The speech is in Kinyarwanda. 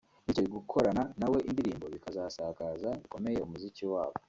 bityo gukorana na we indirimbo bikazasakaza bikomeye umuziki wabo